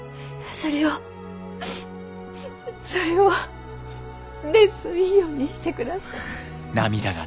それをそれをレッスン費用にしてください。